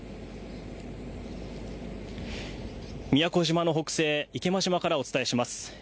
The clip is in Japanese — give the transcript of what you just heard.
宮古島の北西池間島からお伝えします。